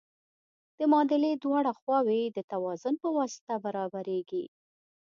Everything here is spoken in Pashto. د معادلې دواړه خواوې د توازن په واسطه برابریږي.